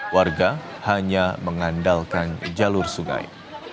warga hanya mengandalkan jalur sungai